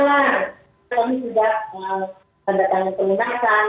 kami sudah mendatangi pelunasan